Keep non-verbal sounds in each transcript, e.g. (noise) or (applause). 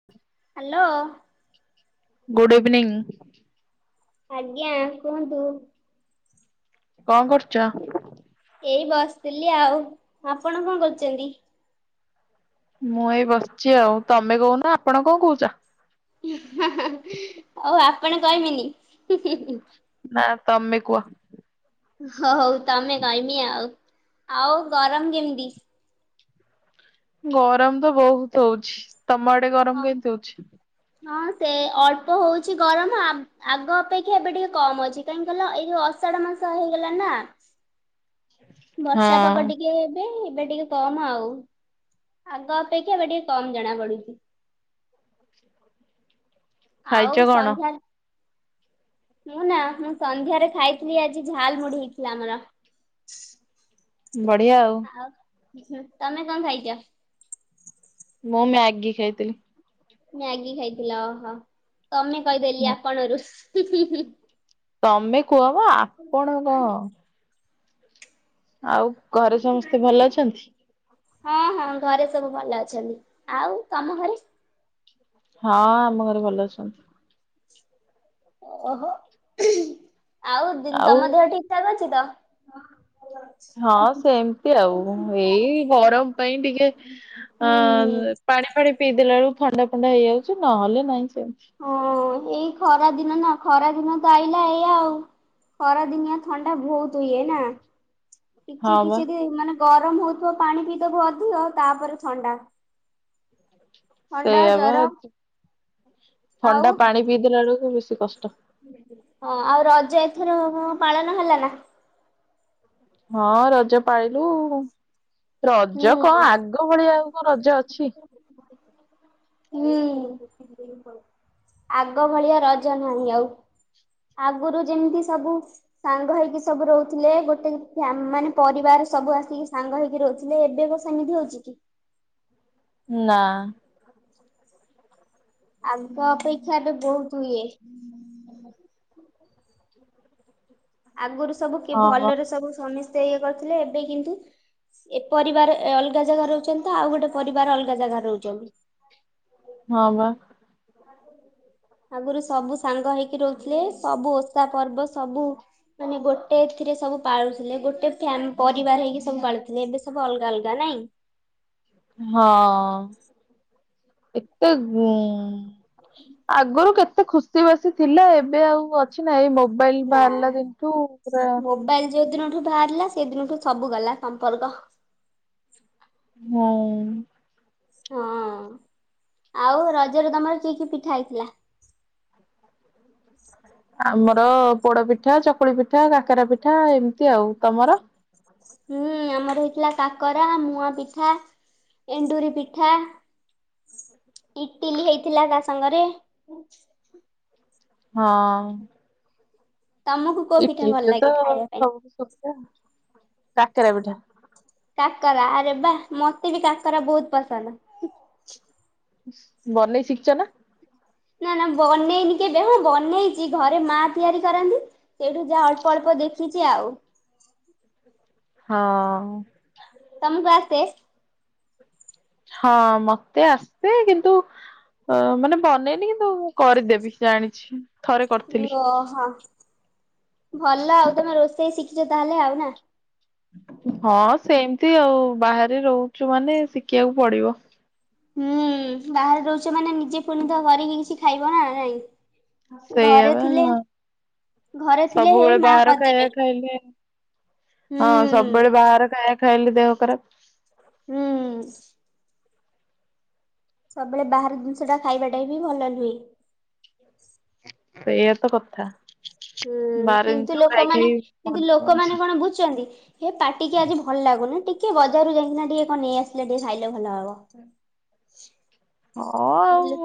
(inaudible) Hello. Good evening. ଆଜ୍ଞା କୁହନ୍ତୁ। କଣ କରୁଛ। ଏଇ ବସିଥିଲି ଆଉ ଆପଣ କଣ କରୁଛନ୍ତି। ମୁଁ ଏଇ ବସିଛି ଆଉ ତମେ କହୁନ ଆପଣ କଣ କହୁଛ। ହୁଁ ହୁଁ ହୁଁ ହଉ ଆପଣ କହିବିନି ହୁଁ ହୁଁ। ନା ତମ କୁହ। ହ ହଉ ତମେ କହମି ଆଉ ଆଉ ଗରମ କେମିତି। ଗରମ ତ ବହୁତ ହଉଛି ତମ ଆଡେ ଗରମ ହଁ କେମିତି ହଉଛି। ହଁ ସେ ଅଳ୍ପ ହଉଛି ଗରମ ଆ ଆଗ ଅପେକ୍ଷା ଏବେ ଟିକେ କମ ଅଛି କାହିଁକି କହିଲ ଏଇ ଯଉ ଅଷାଢ ମାସ ହେଇଗଲା ନା। ବର୍ଷା ପାଗ ହଁ ଟିକେ ଏବେ ଏବେ ଟିକେ କମ ଆଉ ଆଗ ଅପେକ୍ଷା ଏବେ ଟିକେ କମ ଜଣା ପଡୁଛି। (inaudible) ଖାଇଛ ଆଉ କଣ? ସନ୍ଧ୍ୟା ମୁଁ ନା ମୁଁ ସନ୍ଧ୍ୟାରେ ଖାଇଥିଲି ଆଜି ଝାଲ ମୁଢ଼ି ହେଇଥିଲା ଆମର। ବଢିଆ ଆଉ। ଆଉ ତମେ କଣ ଖାଇଛ ମୁଁ ମ୍ୟାଗି ଖାଇଥିଲି। ମ୍ୟାଗି ଖାଇଥିଲ ଓହୋ ତମେ କହିଦେଲି ହୁଁ। ଆପଣରୁ ହୁଁ ହୁଁ ହୁଁ। ତମେ କୁହ ବା ଆପଣ କଣ। ଆଉ ଘରେ ସମସ୍ତେ ଭଲ ଅଛନ୍ତି? ହଁ ହଁ ଘରେ ସବୁ ଭଲ ଅଛନ୍ତି। ଆଉ ତମ ଘରେ ହଁ ଆମ ଘରେ ଭଲ ଅଛନ୍ତି। ଓହୋ ଆଉ ତମ ଦେହ ଠିକ ଚାଲୁଛି ତ ହଁ ସେମତି ଆଉ ଏଇ ଗରମ ପାଇଁ ଟିକେ ଅ ହୁଁ ପାଣି ଫାଣି ପିଇ ଦେଲା ବେଳକୁ ଥଣ୍ଡା ଫଣ୍ଡା ହେଇଯାଉଛି ନହେଲେ ନାହିଁ ସେମିତି। ହଁ ଏଇ ଖରା ଦିନ ନା ଖରା ଦିନ ତ ଆଇଲା ଏଇଆ ଆଉ। ଖରା ଦିନିଆ ଥଣ୍ଡା ବହୁତ ହୁଏ ନା କିଛି ହଁ ବା କିଛି ଦ ମାନେ ଗରମ ହଉଥିବ ପାଣି ପିଇଥବୁ ଅଧିକ ତାପରେ ଥଣ୍ଡା। ଥଣ୍ଡା ସେଇଆ ବା ଜର ଆଉ ଥଣ୍ଡା ପାଣି ପିଇଦେଲା ବେଳକୁ ବେଶୀ କଷ୍ଟ। ହଁ ଆଉ ରଜ ଏଥର ପାଳନ ହେଲା ନା। ହଁ ରଜ ପାଳିଲୁ। ରଜ ହୁଁ। କଣ ଆଗ ଭଳିଆଉ କଣ ରଜ ଅଛି। ହୁଁ। ଆଗ ଭଳିଆ ରଜ ନାହିଁ ଆଉ ଆଗରୁ ଯେମିତି ସବୁ। ସାଙ୍ଗ ହେଇକି ସବୁ ରହୁଥିଲେ ଗୋଟେ ଫ୍ୟା ମାନେ ପରିବାର ସବୁ ଆସିକି ସାଙ୍ଗ ହେଇକି ରହୁଥିଲେ। ଥିଲେ ଏବେ ବିସେମିତି ଅଛି। ନା ଆଗ ଅପେକ୍ଷା ଏବେ ବହୁତ୍ ଇଏ। ଆଗରୁ ସବୁ କି ହଁ ବା ଭଲରେ ସବୁ ସମସ୍ତେ ଇଏ କରୁଥିଲେ ଏବେ କିନ୍ତୁ ଏ ପରିବାର ଏ ଅଲଗା ଜାଗା ରହୁଛନ୍ତି ତ ଆଉ ଗୋଟେ ପରିବାର ଅଲଗା ଜାଗା ରହୁଛନ୍ତି। ହଁ ବା ଆଗୁରୁ ସବୁ ସାଙ୍ଗ ହେଇକି ରହୁଥିଲେ ସବୁ ଓଷା ପର୍ବ ସବୁ ମାନେ ଗୋଟେ ଏଥିରେ ସବୁ ପାଳୁଥିଲେ ଗୋଟେ ଫ୍ୟାନ ପରିବାର ହେଇକି ସବୁ ପାଳୁଥିଲେ ଏବେ ସବୁ ଅଲଗା ଅଲଗା ନାଇଁ। ହଁ ଏତ ଗୁଁ ଆଗରୁ କେତେ ଖୁସି ବାସି ଥିଲା ଏବେ ଆଉ ଅଛ୍ ଅଛି ନା ଏଇ ମୋବାଇଲ ନା। ବାହାରିଲା ଦିନଠୁ ପୁରା ମୋବାଇଲ ଯୋଉ ଦିନଠୁ ବାହାରିଲା ସେଦିନଠୁ ସବୁ ଗଲା ସମ୍ପର୍କ ହୁଁ। ହଁ ଆଉ ରଜରେ ତମର କି କି ପିଠା ହେଇଥିଲା। ଆମର ପୋଡ ପିଠା, ଚକୁଳି ପିଠା, କାକରା ପିଠା, ଏମିତି ଆଉ ତମର ହୁଁ ଆମର ହେଇଥିଲା କାକରା, ମୁଆଁ ପିଠା ଏଣ୍ଡୁରି ପିଠା। ଇଟିଲି ହେଇଥିଲା ତା ସାଙ୍ଗରେ ହଁ। ତମକୁ କୋଉ ପିଠା ଇଟିଲି ଭଲ ତ ଲାଗେ ଖାଇବା ପାଇଁ? ସବୁ ଠୁ ସୁବିଧା କାକେରା ପିଠା। କାକରା ଆରେ ବାଃ ମତେ ବି କାକରା ବହୁତ ପସନ୍ଦ। ବନେଇ ଶିଖୀଛନା। ନା ନା ବନେଇନି କେବେ ହଁ ବନେଇଚି ଘରେ ମା ତିଆରି କରନ୍ତି। ସେଇଠୁ ଯାହା ଅଳ୍ପ ଅଳ୍ପ ଦେଖିଛି ଆଉ ହଁ। ତମୁ କୁ ଆସେ। ହଁ ମତେ ଆସେ। କିନ୍ତୁ ଅଁ ମାନେ ବନେଇନି କିନ୍ତୁ ମୁଁ କରିଦେବି ଜାଣିଛି। ଥରେ କରିଥିଲି। ଓହୋ, ଭଲ ଆଉ ତମେ ରୋଷେଇ ଶିଖିଛ ତାହେଲେ ଆଉ ନା। ହଁ ସେମିତି ଆଉ। ବାହାରେ ରହୁଚୁ ମାନେ ଶିଖିଆକୁ ପଡିବ। ହୁଁ ବାହାରେ ରହୁଛ ମାନେ ନିଜେ ପୁଣି ତ କରିକି କିଛି ଖାଇବ ନା ନାଇଁ। ସେଇଆ ଘରେ ବା ଥିଲେ ହଁ ଘରେ ଥିଲେ ହେଇ ସବୁବେଳେ ମା ବାହାର ଖାଇବା କରିଦେବେ ଖାଇଲେ ହଁ, ହୁଁ। ସବୁବେଳେ ବାହାର ଖାଇବା ଖାଇଲେ ଦେହ ଖରାପ୍। ହୁଁ। ସବୁବେଳେ ବାହାର ଜିନିଷ ଟା ଖାଇବା ଟା ବି ଭଲ ନୁହେଁ। ସେଇଆ ତ କଥା। ହୁଁ, ବାହାର ଜିନିଷ କିନ୍ତୁ ଖାଇ ଲୋକମାନେ ଖାଇ କିନ୍ତୁ ମରିଯାଉଛୁ। ଲୋକମାନେ କଣ ବୁଝୁଚନ୍ତି। ଏ ପାଟିକି ଆଜି ଭଲ ଲାଗୁନି ଟିକେ ବଜାରରୁ ଯାଇଁକିନା ଟିକେ କଣ ନେଇ ଆସିଲେ ଟିକେ ଖାଇଲେ ଭଲ ହବ। ହଁ ଆଉ ବୁଝିଲୁ?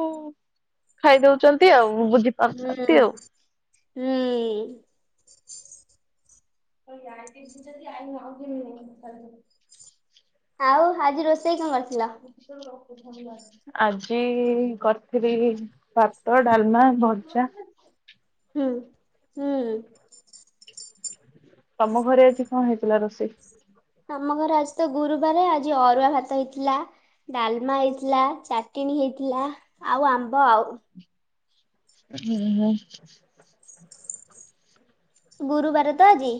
ଖାଇଦେଉଚନ୍ତି ଆଉ। ବୁଝି ପାରୁନାହାନ୍ତି ଆଉ। ହୁଁ, ହୁଁ। (inaudible) ଆଉ ଆଜି ରୋଷେଇ କଣ କରିଥିଲ? ଆଜି କରିଥିଲି ଭାତ, ଡାଲମା, ଭଜା। ହୁଁ, ହୁଁ। ତମ ଘରେ ଆଜି କଣ ହେଇଥିଲା ରୋଷେଇ? ଆମ ଘରେ ଆଜି ତ ଗୁରୁବାରେ ଆଜି ଅରୁଆ ଭାତ ହେଇଥିଲା। ଡାଲମା ହେଇଥିଲା, ଚାଟିଣୀ ହେଇଥିଲା ଆଉ ଆମ୍ବ ଆଉ। ହୁଁ ହଁ ଗୁରୁବାର ତ ଆଜି।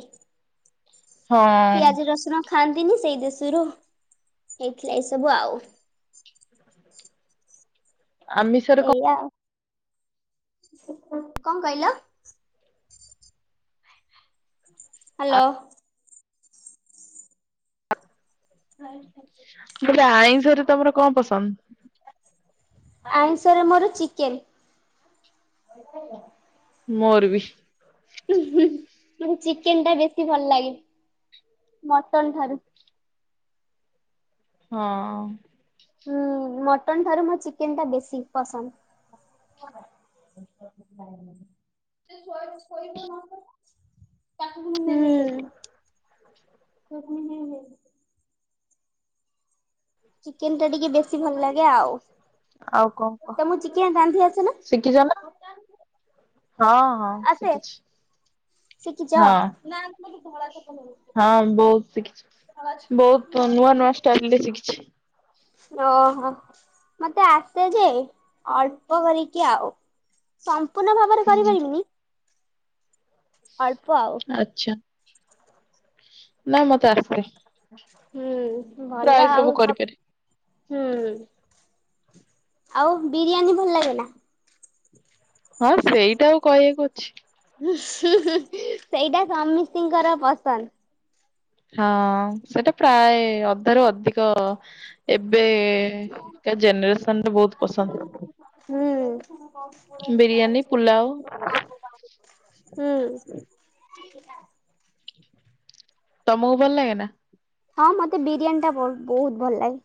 ହଁ ପିଆଜ, ରସୁଣ ଖାଆନ୍ତିନି ସେଇ ଦେଶରୁ ହେଇଥିଲା ଏଇ ସବୁ ଆଉ। ଆମିଷରେ କଣ? ଏଇଆ ଆଉ। କଣ କହିଲ? ହ୍ୟାଲୋ। କହିଲି ଆଇଁଷରେ ତମର କଣ ପସନ୍ଦ? ଆଇଁଷରେ ମୋର ଚିକେନ। ମୋର ବି। ମୋତେ ଚିକେନ ଟା ବେଶୀ ଭଲ ଲାଗେ ମଟନ ଠାରୁ। ହଁ। ହୁଁ, ମଟନ ଠାରୁ ମୋର ଚିକେନ୍ ଟା ବେଶୀ ପସନ୍ଦ। (inaudible) (inaudible) ଚିକେନ୍ ଟା ଟିକେ ବେଶୀ ଭଲ ଲାଗେ ଆଉ। ଆଉ କଣ କହ ତମକୁ ଚିକେନ ରାନ୍ଧି ଆସେନା। ଶିଖିଛ ନା? ହଁ ହଁ, ଶିଖିଚି। ଶିଖିଛ ହଁ ହଁ ବୋହୁତ ଶିଖିଛି। ବହୁତ ନୂଆ ନୂଆ ଷ୍ଟାଇଲରେ ଶିଖି। ଅହ, ମତେ ଆସେ ଯେ ଅଳ୍ପ କରିକି ଆଉ। ସମ୍ପୂର୍ଣ୍ଣ ଭାବରେ ହୁଁ। କରିପାରିବିନି। ଅଳ୍ପ ଆଉ। ଆଚ୍ଛା ନା ମତେ ଆର ପାଳି। ହୁଁ ଭଲ ଆଉ ସ କରିପାରେ। ହୁଁ। ଆଉ ବିରିୟାନୀ ଭଲ ଲାଗେ ନା? ହଁ ସେଇଟା ଆଉ କହିବାକୁ ଅଛି। ସେଇଟା ସମସ୍ତିଙ୍କର ପସନ୍ଦ। ହଁ ସେଟା ପ୍ରାୟ ଅଧାରୁ ଅଧିକ ଏବେ ଜେନେରେସନ ଟା ବହୁତ ପସନ୍ଦ। ହୁଁ। ୁରା ବିରିୟାନୀ, ପୁଲାଉ ହୁଁ। ତମକୁ ଭଲ ଲାଗେ ନା? ହଁ ମତେ ବିରିୟାନୀ ଟା ବହୁତ ଭଲ ଲାଗେ।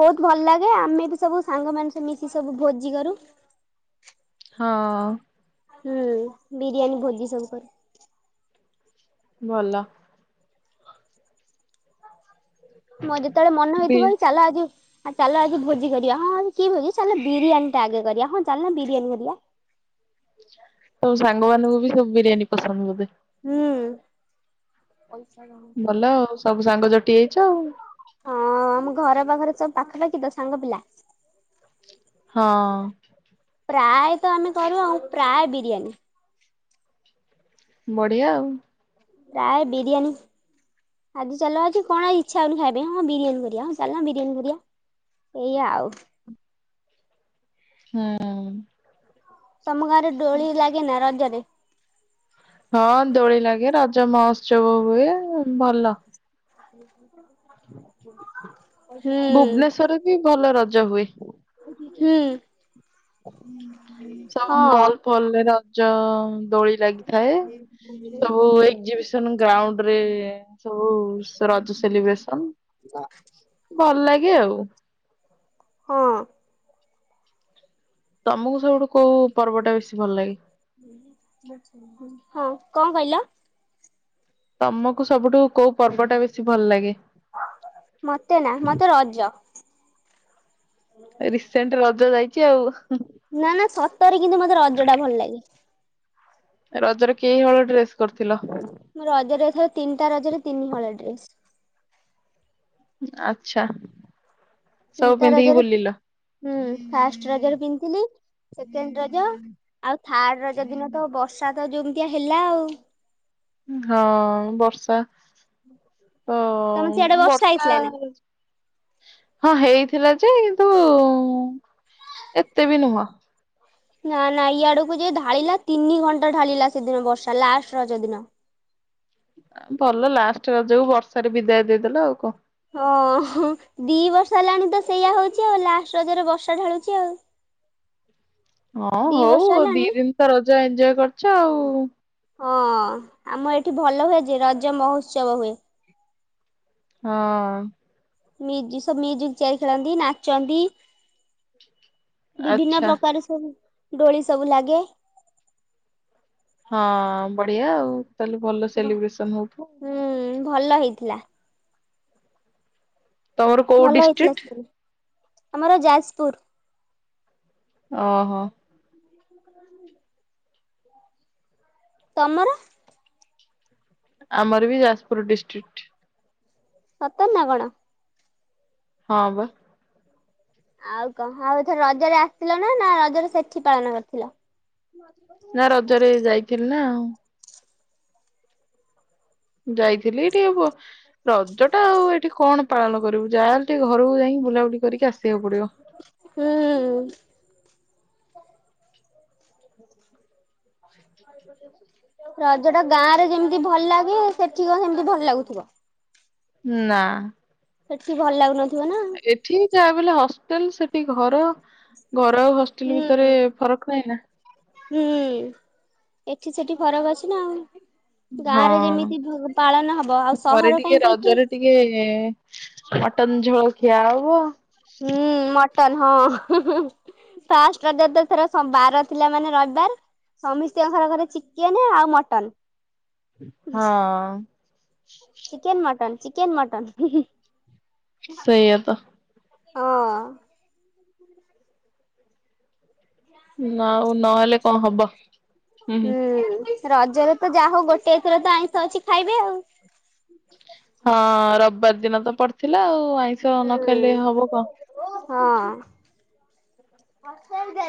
ବହୁତ ଭଲ ଲାଗେ ଆମେ ବି ସବୁ ସାଙ୍ଗମାନେ ସେ ମିଶି ସବୁ ଭୋଜି କରୁ। ହଁ। ହୁଁ ବିରିୟାନୀ ଭୋଜି ସବୁ କରୁ। ଭଲ। ମୋ ଯେତେବେଳେ ମନ ବି ହେଇଥିବ କି ଚାଲ ଆ ଯିବ। ଚାଲ ଆଜି ଭୋଜି କରିବା ହଁ କି ଭୋଜି ଚାଲ ବିରିୟାନୀ ଟା ଆଗେ କରିବା ହଁ ଚାଲୁନ ବିରିୟାନୀ କରିବା। ସବୁ ସାଙ୍ଗମାନଙ୍କୁ ବି ସବୁ ବିରିୟାନୀ ପସନ୍ଦ ବୋଧେ। ହୁଁ। ଭଲ ଆଉ ସବୁ ସାଙ୍ଗ ଜଟି ଯାଇଛ ଆଉ। ହଁ ଆମ ଘର ପାଖରେ ସବୁ ପାଖାପାଖି ତ ସାଙ୍ଗ ପିଲା। ହଁ। ପ୍ରାୟ ତ ଆମେ କରୁ ଆଉ ପ୍ରାୟ ବିରିୟାନୀ। ବଢିଆ ଆଉ। ପ୍ରାୟ ବିରିୟାନୀ ଆଜି ଚାଲ ଆଜି କଣ ଇଛା ହଉନି ଖାଇବାପାଇଁ ହଁ ବିରିୟାନୀ କରିବା ହଁ ଚାଲୁନ ବିରିୟାନୀ କରିବା। ଏୟା ଆଉ। ହଁ। ତମ ଗାଁ ରେ ଦୋଳି ଲାଗେ ନା ରଜରେ? ହଁ ଦୋଳି ଲାଗେ ରଜ ମହୋତ୍ସବ ହୁଏ ଭଲ। ହୁଁ ଭୁବନେଶ୍ଵରରେ ବି ଭଲ ରଜ ହୁଏ। ହୁଁ। ସ ହଁ। ମଲ୍ ଫଲ୍ ରେ ରଜ ଦୋଳି ଲାଗିଥାଏ। ସବୁ ଏକ୍ଜିବିସନ ଗ୍ରାଉଣ୍ଡ ରେ ସବୁ ରଜ ସେଲିବ୍ରେସନ। ଦା ଭଲ ଲାଗେ ଆଉ। ହଁ। ତମକୁ ସବୁଠୁ କୋଉ ପର୍ବ ଟା ବେଶୀ ଭଲ ଲାଗେ? ହଁ କଣ କହିଲ? ତମକୁ ସବୁଠୁ କୋଉ ପର୍ବ ଟା ବେଶୀ ଭଲ ଲାଗେ? ମତେ ନା ମତେ ରଜ। ରିସେଣ୍ଟ୍ ରଜ ଯାଇଚି ଆଉ। ନା ନା ସତରେ କିନ୍ତୁ ମତେ ରଜ ଟା ଭଲ ଲାଗେ। ରଜରେ କେଇ ହଳ ଡ୍ରେସ୍ କରିଥିଲ? ମୁ ରଜ ରଜ ତିନିଟା ରଜରେ ତିନି ହଳ ଡ୍ରେସ୍। ଆଚ୍ଛା। ସବୁ ତିନିଟା ପିନ୍ଧିକି ରଜରେ ବୁଲିଲ ହୁଁ ଫାଷ୍ଟ୍ ରଜରେ ପିଁଥିଲି ସେକେଣ୍ଡ୍ ରଜ ଆଉ ଥାର୍ଡ ରଜ ଦିନ ତ ବର୍ଷା ତ ଯୋମିତିଆ ହେଲା ଆଉ। ହଁ ବର୍ଷା ତମ ହଁ ସିଆଡେ ବର୍ଷା ହେଇଥିଲା ନା? ହଁ ହେଇଥିଲା ଯେ କିନ୍ତୁ ଏତେ ବି ନୁହଁ। ନା ନା ଇଆଡକୁ ଯେ ଢାଳିଲା ତିନି ଘଣ୍ଟା ଢାଳିଲା ସେଦିନ ବର୍ଷା ଲାଷ୍ଟ୍ ରଜ ଦିନ। ଭଲ ଲାଷ୍ଟ୍ ରଜକୁ ବର୍ଷାରେ ବିଦାୟ ଦେଇଦେଲ ଆଉ କ। ହଁ ହଁ ଦି ବର୍ଷ ହେଲାଣି ତ ସେଇଆ ହଉଛି ଆଉ ଲାଷ୍ଟ୍ ରଜରେ ବର୍ଷା ଢାଳୁଛି ଆଉ। ହଁ ଦି ହଉ ବର୍ଷ ଦି ହେଲାଣି ଦିନି ତ ରଜ ଏଞ୍ଜୟ କରିଛ ଉ। ହଁ ଆମ ଏଠି ଭଲ ହୁଏ ଯେ ରଜ ମହୋତ୍ସବ ହୁଏ। ହଁ। ମିଜିସ ମିଜିକ୍ ଚିଆର ଖେଳନ୍ତି ନାଚନ୍ତି ବିଭିନ୍ନ ଆଚ୍ଛା ପ୍ରକାର ଦୋଳି ସବୁ ଲାଗେ ହଁ ବଢିଆ ଆଉ ତାହେଲେ ଭଲ ଭ ସେଲିବ୍ରେସନ୍ ହଉୁଥିବ? ହୁଁ ଭଲ ହେଇଥିଲା। ତମର କୋଉ ଭଲ ହେଇଥିଲା ଡିଷ୍ଟ୍ରିକ୍ଟ ସବୁ ଆମର ଯାଜ୍ ପୁର। ଅ ହ। ତମର? ଆମର ବି ଯାଜ୍ ପୁର ଡିଷ୍ଟ୍ରିଟ୍। ସତ ନା କଣ? ହଁ ବା। ଆଉ କଁ ହାଉ ଏଥର ରଜରେ ଆସିିଥିଲ ନା ନା ରଜରେ ସେଠି ପାଳନ କରିଥିଲ? ନା ରଜରେ ଯାଇଥି ନା ଆଉ। ଯାଇଥିଲି ଟିକେ ବ ରଜ ଟା ଆଉ ଏଠି କଣ ପାଳନ କରିବୁ ଯାହେଲେ ଟିକେ ଘରୁକୁ ଯାଇକି ବୁଲାବୁଲି କରିକି ଆସିଆକୁ ପଡିବ। ହୁଁ। (inaudible) ରଜ ଟା ଗାଁ ରେ ଯେମିତି ଭଲ୍ ଲାଗେ ସେଠି କଣ ସେମତି ଭଲ ଲାଗୁଥିବ? ନା। ସେଠି ଭଲ୍ ଲାଗୁନଥିବ ନା ଠିକ୍ ଆ ବୋଲି ହଷ୍ଟେଲ୍ ସେଟି ଘର ଘର ଆଉ ହଷ୍ଟେଲ୍ ଭିତରେ ହୁଁ ଫରକ୍ ନାଇଁ ନା ହୁଁ ଏଠି ସେଠି ଫରକ୍ ଅଛି ନା ଆଉ। ଗାଁରେ ଯେମିତି ହଁ ଭଲ ପାଳନ ହବ ଆଉ ଘରେ ସହର ଟିକେ କାଇଁ କହିକି ରଜରେ ଟିକେ ମଟନ୍ ଝୋଳ ଖିଆ ହବ ହୁଁ ମଟନ୍ ହଁ। ଫାଷ୍ଟ୍ ରଜ ଏଥର ସ ବାର ଥିଲା ମାନେ ରବିବାର୍। ସମସ୍ତିଙ୍କ ଘରେ ଘରେ ଚିକେନ୍ ଆଉ ମଟନ୍। ହଁ। ଚିକେନ୍ ମଟନ୍ ଚିକେନ୍ ମଟନ୍ ହୁଁ ହୁଁ। ସେଇଆ ତ। ହଁ। (inaudible) ଆଉ ନହେଲେ କଣ ହବ ହୁଁ। ରଜରେ ତ ଯାହା ହଉ ଗୋଟେ ଏଥର ତ ଆଇଁଷ ଅଛି ଖାଇବେ ଆଉ। ହଁ ରବାର ଦିନ ତ ପଡିଥିଲା ଆଉ ଆଇଁଷ ନ ଖାଇଲେ ହୁଁ। ହବ କଣ। ହଁ। (inaudible)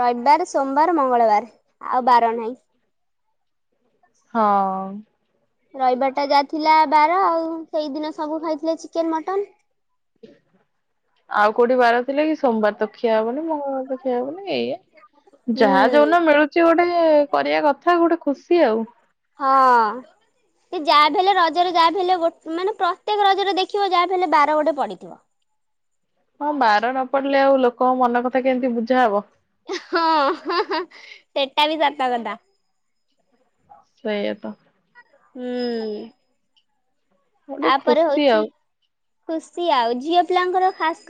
ରବିବାର, ସୋମବାର, ମଙ୍ଗଳବାର ଆଉ ବାର ନାହିଁ। ହଁ। ରଇବାରଟା ଯାହାଥିଲା ବାର ଆଉ ସେଇଦିନ ସବୁ ଖାଇଥିଲେ ଚିକେନ ମଟନ। ଆଉ କୋଉଠି ବାର ଥିଲା କି ସୋମବାର ତ ଖିଆ ହବନି ମଙ୍ଗଳବାର ତ ଖିଆ ହବନି ଏଇଆ ହୁଁ ଯାହା ଯୋଉଦିନ ମିଳୁଛି ଗୋଟେ କରିବା କଥା ଗୋଟେ ଖୁସି ଆଉ। ହଁ। ସେ ଯାହା ବି ହେଲେ ରଜରେ ଯାହା ବି ହେଲେ ଗୋ ମାନେ ପ୍ରତ୍ୟେକ ରଜରେ ଦେଖିବ ଯାହା ବି ହେଲେ ବାର ଗୋଟେ ପଡିଥିବ। ହଁ ବାର ନ ପଡିଲେ ଆଉ ଲୋକଙ୍କ ମନ କଥା କେମିତି ବୁଝାହବ। ହଁ ସେଟା ବି ସତ କଥା। ସେଇଆ ତ। ହୁଁ। ଗୋଟେ ତାପରେ ଖୁସି ହଉଛି ଆଉ। ଖୁସିି ଆଉ ଝିଅ ପିଲାଙ୍କର ଖାସ୍ କ